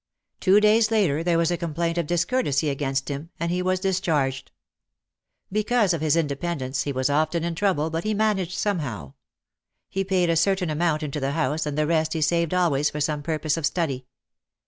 Two days later there was a complaint of discourtesy against him and he was discharged. Because of his independence he was often in trouble but he managed somehow. He paid a certain amount into the house and the rest he saved always for some purpose of study.